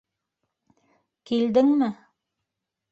Килдеңме?